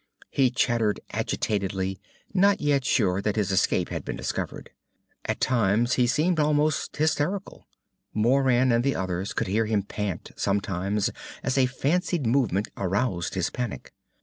He chattered agitatedly, not yet sure that his escape had been discovered. At times he seemed almost hysterical. Moran and the others could hear him pant, sometimes, as a fancied movement aroused his panic.